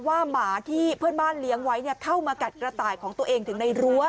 หมาที่เพื่อนบ้านเลี้ยงไว้เข้ามากัดกระต่ายของตัวเองถึงในรั้ว